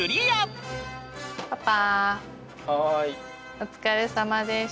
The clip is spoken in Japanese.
お疲れさまでした。